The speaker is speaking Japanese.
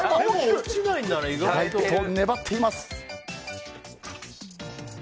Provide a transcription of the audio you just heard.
意外と粘っています。